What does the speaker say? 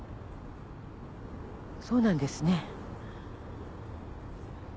そうなんですね？